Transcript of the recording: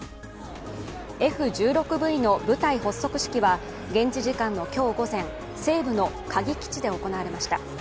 Ｆ１６−Ｖの部隊発足式は現地時間の今日午前、西部の嘉義基地で行われました。